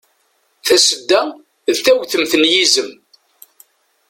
Tasedda d tawtemt n yizem.